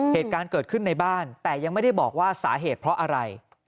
เหตุการณ์เกิดขึ้นในบ้านแต่ยังไม่ได้บอกว่าสาเหตุเพราะอะไร